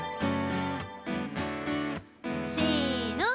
せの！